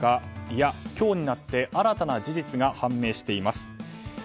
いや、今日になって新たな事実が判明しています。